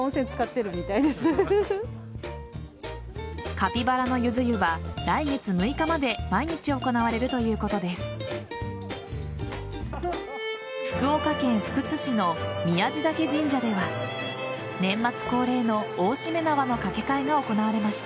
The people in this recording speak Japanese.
カピバラのゆず湯は来月６日まで毎日行われるということです。